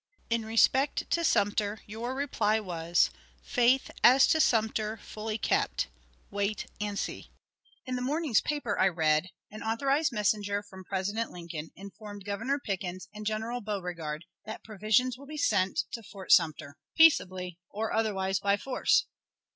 In respect to Sumter, your reply was, "Faith as to Sumter fully kept wait and see." In the morning's paper I read, "An authorized messenger from President Lincoln informed Governor Pickens and General Beauregard that provisions will be sent to Fort Sumter peaceably, or otherwise by force."